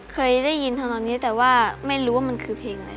เคยได้ยินเท่านั้นแต่ว่าไม่รู้ว่ามันคือเพลงอะไร